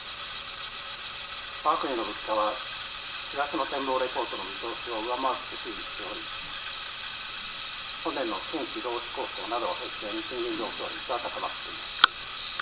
わが国の物価は、４月の展望レポートの見通しを上回って推移しており、本年の新規労使交渉などを背景に賃金上昇率は高まっています。